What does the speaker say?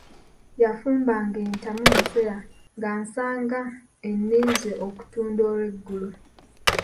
Yafumbanga entamu musera nga nsanga enninze okutunda olweggulo.